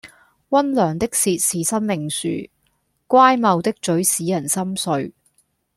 溫良的舌是生命樹，乖謬的嘴使人心碎